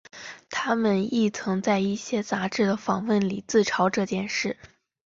他们亦曾在一些杂志的访问里自嘲这件事。